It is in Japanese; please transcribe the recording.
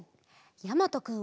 やまとくん。